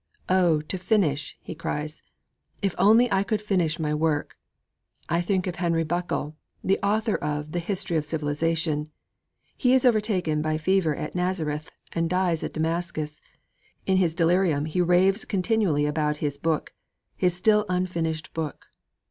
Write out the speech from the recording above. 'Oh, to finish!' he cries; 'if only I could finish my work!' I think of Henry Buckle, the author of the History of Civilization. He is overtaken by fever at Nazareth and dies at Damascus. In his delirium he raves continually about his book, his still unfinished book.